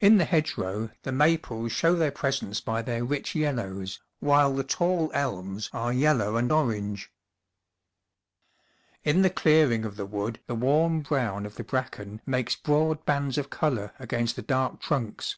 In the hedgerow the maples show their presence by their rich yellows, while the tall elms are yellow and orange. In the clearing of the wood the warm brown of the bracken makes broad bands of colour against the dark trunks.